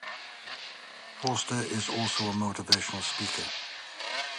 Forster is also a motivational speaker.